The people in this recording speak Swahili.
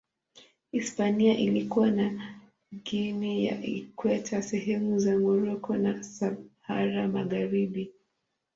Hispania ilikuwa na Guinea ya Ikweta, sehemu za Moroko na Sahara Magharibi.